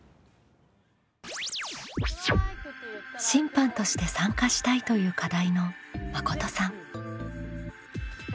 「審判として参加したい」という課題のまことさん。